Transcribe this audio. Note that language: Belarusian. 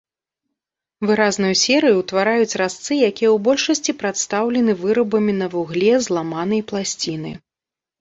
Выразную серыю ўтвараюць разцы, якія ў большасці прадстаўлены вырабамі на вугле зламанай пласціны.